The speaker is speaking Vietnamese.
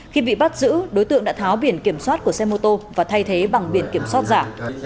khi bị bắt giữ đối tượng đã tháo biển kiểm soát của xe mô tô và thay thế bằng biển kiểm soát giả